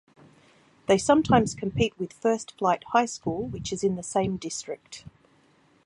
They sometimes compete with First Flight High School which is in the same district.